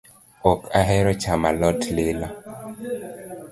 Ok ahero chamo alot lilo